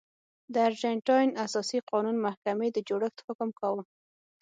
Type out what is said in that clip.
د ارجنټاین اساسي قانون محکمې د جوړښت حکم کاوه.